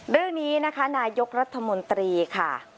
เรื่องนี้นะคะนายกรัฐมนตรีค่ะ